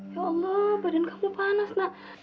ya allah badan kamu panas nak